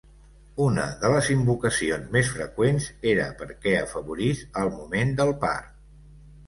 Una de les invocacions més freqüents era perquè afavorís el moment del part.